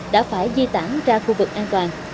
đã phải di tản ra khu vực an toàn